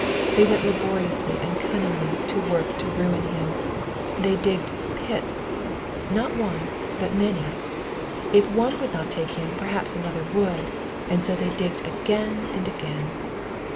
They went laboriously and cunningly to work to ruin him, *' they digged pits^^; not one, but many. If one would not take him, perhaps another would, and so they digged again and again.